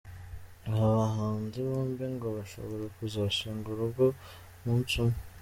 Aba bahanzi bombi ngo bashobora kuzashinga urugo umunsi umwe.